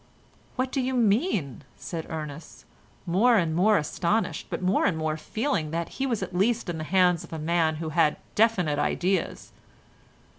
"What do you mean?" said Ernest, more and more astonished, but more and more feeling that he was at least in the hands of a man who had definite ideas.